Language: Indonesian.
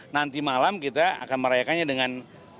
nanti malam kita akan merayakannya dengan